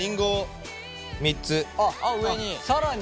あっ上に？